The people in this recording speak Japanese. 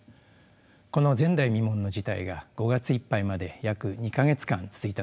この前代未聞の事態が５月いっぱいまで約２か月間続いたのではないでしょうか。